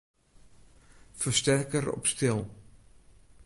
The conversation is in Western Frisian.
Fersterker op stil.